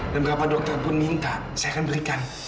dan berapa dokter pun minta saya akan berikan